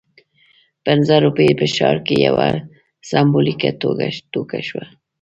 پنځه روپۍ په ښار کې یوه سمبولیکه ټوکه شوه.